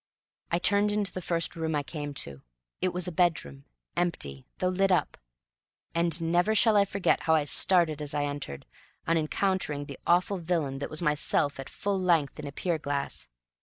I turned into the first room I came to. It was a bedroom empty, though lit up; and never shall I forget how I started as I entered, on encountering the awful villain that was myself at full length in a pier glass!